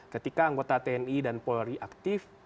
ketika anggota tni dan polri aktif